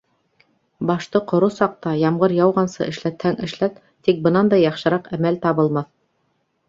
Башты ҡоро саҡта, ямғыр яуғансы эшләтһәң эшләт, тик бынан да яҡшыраҡ әмәл табылмаҫ!